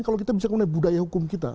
kalau kita bicara mengenai budaya hukum kita